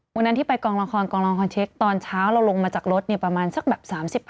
วันนั้นที่ไปกองละครกองละครเช็คตอนเช้าเราลงมาจากรถเนี่ยประมาณสักแบบ๓๘